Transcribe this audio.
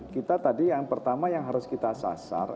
kita tadi yang pertama yang harus kita sasar